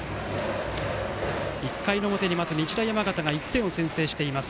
１回の表にまず日大山形が１点を先制しています。